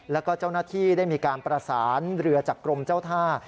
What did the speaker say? แล้วก็เจ้าหน้าที่ได้มีการประสานเรือจากกรมเจ้าท่า